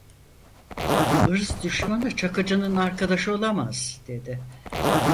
Irz düşmanı Çakıcı'nın arkadaşı olamaz, dedi.